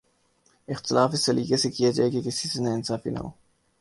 اختلاف اس سلیقے سے کیا جائے کہ کسی سے ناانصافی نہ ہو